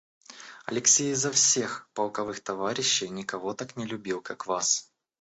Алексей изо всех полковых товарищей никого так не любит, как вас.